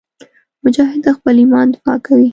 مجاهد د خپل ایمان دفاع کوي.